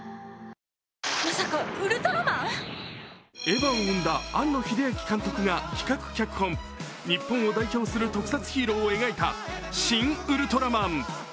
エヴァを生んだ庵野秀明監督が企画・脚本、日本を代表する特撮ヒーローを描いた「シン・ウルトラマン」。